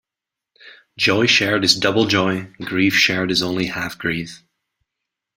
Joy shared is double joy; grief shared is only half grief.